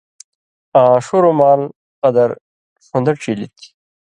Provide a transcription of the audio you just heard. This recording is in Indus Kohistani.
آں ݜُو رُومال قدر ݜُون٘دہ ڇیلی تھی۔